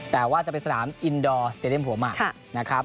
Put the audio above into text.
แต่ว่าจะเป็นสนามอินโดร์สเตรเลียมหัวหมา